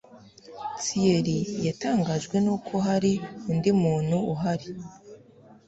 Thierry yatangajwe nuko hari undi muntu uhari.